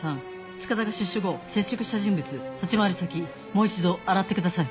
塚田が出所後接触した人物立ち回り先もう一度洗ってください。